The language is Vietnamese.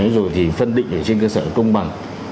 rồi thì phân định ở trên cơ sở công bằng